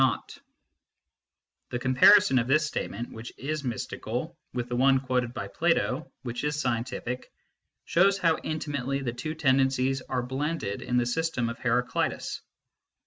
MYSTICISM AND LOGIC 3 The comparison of this statement, which is mystical, with the one quoted by Plato, which is scientific, shows how intimately the two tendencies are blended in the system of Heraclitus.